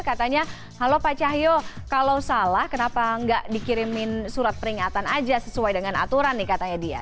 katanya halo pak cahyo kalau salah kenapa nggak dikirimin surat peringatan aja sesuai dengan aturan nih katanya dia